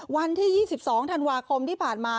วันที่๒๒ธันวาคมที่ผ่านมา